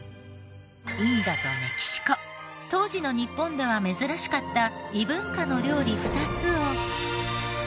インドとメキシコ当時の日本では珍しかった異文化の料理２つを。